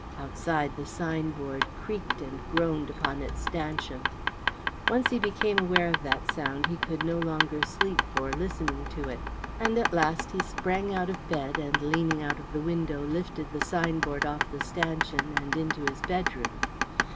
Outside the sign board creaked and groaned upon its stanchion. Once he became aware of that sound he could no longer sleep for listening to it; and at last he sprang out of bed, and leaning out of the window lifted the sign board off the stanchion and into his bedroom.